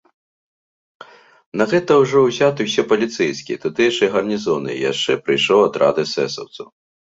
На гэта ўжо ўзяты ўсе паліцэйскія, тутэйшыя гарнізоны, і яшчэ прыйшоў атрад эсэсаўцаў.